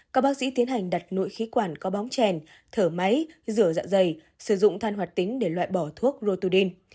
các bác sĩ tiến hành đặt nội khí quản có bóng chèn thở máy rửa dạ dày sử dụng than hoạt tính để loại bỏ thuốc rotudin